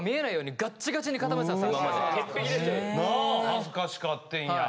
恥ずかしかってんや。